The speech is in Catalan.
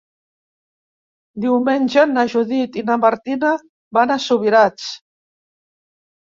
Diumenge na Judit i na Martina van a Subirats.